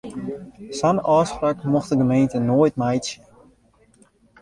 Sa'n ôfspraak mocht de gemeente noait meitsje.